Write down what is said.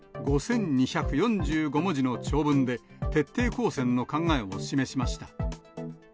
５２４５文字の長文で、徹底抗戦の考えを示しました。